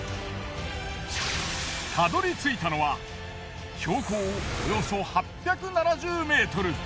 たどり着いたのは標高およそ８７０ｍ。